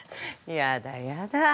やだやだ